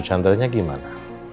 chandra nya gimana